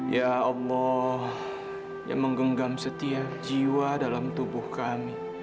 ya allah yang menggenggam setiap jiwa dalam tubuh kami